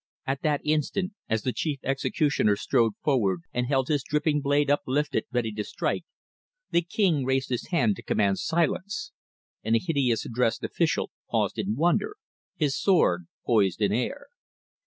At that instant, as the chief executioner strode forward and held his dripping blade uplifted, ready to strike, the King raised his hand to command silence, and the hideously dressed official paused in wonder, his sword poised in air.